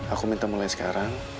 aku minta mulai sekarang